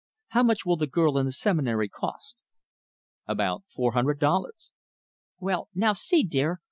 How much will the girl and the Seminary cost?" "About four hundred dollars." "Well now, see, dear.